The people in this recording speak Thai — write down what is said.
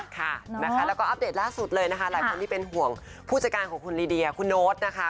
ค่ะนะคะแล้วก็อัปเดตล่าสุดเลยนะคะหลายคนที่เป็นห่วงผู้จัดการของคุณลีเดียคุณโน๊ตนะคะ